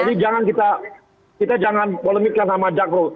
jadi jangan kita polemikkan sama jakpro